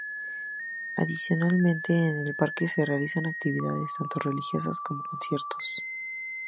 Adicionalmente, en el parque se realizan actividades tanto religiosas como conciertos.